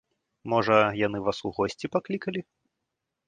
Можа, яны вас у госці паклікалі?